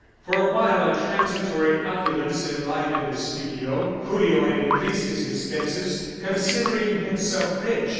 For a while a transitory opulence enlivened the studio. Julio had increased his expenses, considering himself rich.